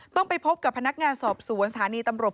ต้องไปพบกับพนักงานสอบสวนสถานีตำรวจ